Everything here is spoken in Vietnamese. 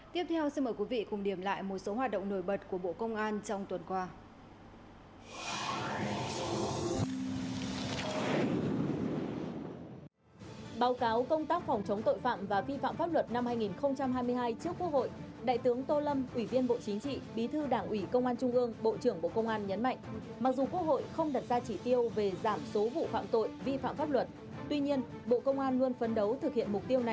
tiếp theo xin mời quý vị cùng điểm lại một số hoạt động nổi bật của bộ công an trong tuần qua